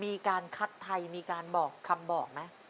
มีการคัดไทยมีการบอกคำบอกไหม